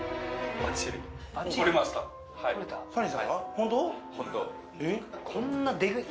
本当。